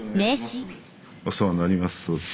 お世話になります。